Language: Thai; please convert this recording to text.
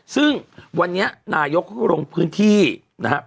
ซึ่งวันนี้นายกเขาก็ลงพื้นที่นะครับ